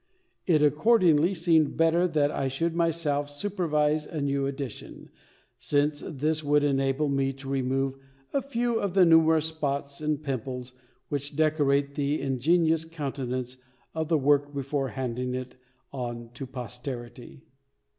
It accordingly seemed better that I should myself supervise a new edition, since this would enable me to remove a few of the numerous spots and pimples which decorate the ingenious countenance of the work before handing it on to posterity.